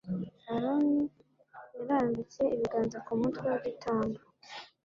Aroni yarambitse ibiganza ku mutwe wigitambo